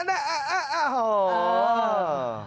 เอ่อฮือ